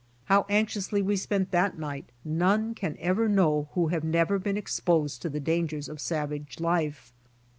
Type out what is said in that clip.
How anxiously we spent that night none can ever know who have never been exposed to the dangers of savage life.